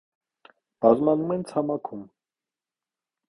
Բազմանում են ցամաքում։